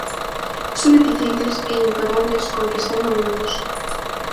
Son eficientes e imparables conquistando mundos.